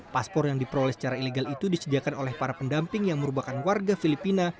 paspor yang diperoleh secara ilegal itu disediakan oleh para pendamping yang merupakan warga filipina